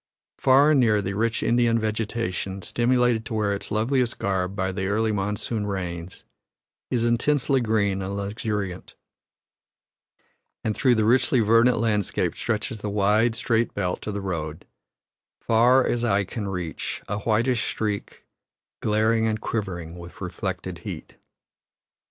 Far and near the rich Indian vegetation, stimulated to wear its loveliest garb by the early monsoon rains, is intensely green and luxuriant; and through the richly verdant landscape stretches the wide, straight belt of the road, far as eye can reach, a whitish streak, glaring and quivering with reflected heat.